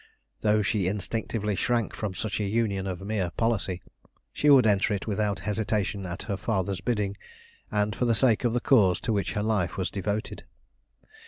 Though she instinctively shrank from such a union of mere policy, she would enter it without hesitation at her father's bidding, and for the sake of the Cause to which her life was devoted.